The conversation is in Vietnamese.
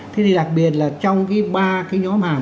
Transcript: thế thì đặc biệt là trong cái ba cái nhóm hàng